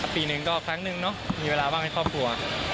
ปีหนึ่งก็ครั้งนึงเนอะมีเวลาว่างให้ครอบครัว